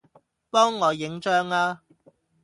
幫我影張吖